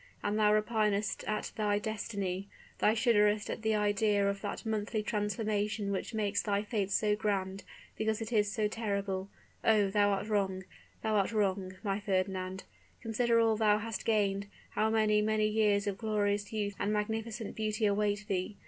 And thou repinest at thy destiny? thou shudderest at the idea of that monthly transformation which makes thy fate so grand, because it is so terrible? Oh, thou art wrong, thou art wrong, my Fernand. Consider all thou hast gained, how many, many years of glorious youth and magnificent beauty await thee!